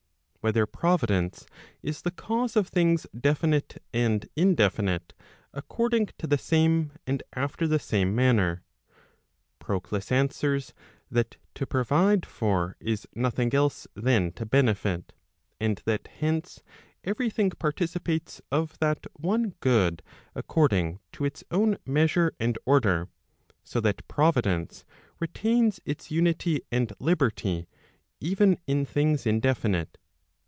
Whether Providence is the cause of things definite and indefinite according to the same, and after the same manner? Prod us answers that to provide for is nothing else than to benefit; and that hence every thing participates of that one good according to its own measure and order, so that Providence retains its unity and liberty even in things indefinite.